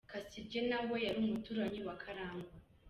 Kasirye nawe yari umuturanyi wa Kalangwa.